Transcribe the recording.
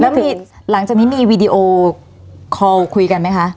แล้วมีหลังจากนี้มีวีดีโอคอลคุยกันไหมคะ